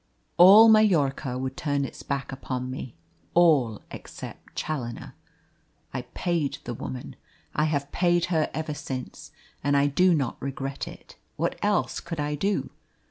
All Majorca would turn its back upon me all except Challoner. I paid the woman. I have paid her ever since, and I do not regret it. What else could I do?